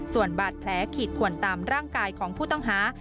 ส่วนบาดแผลขีดขวนตามร่างกายของผู้ต้องหา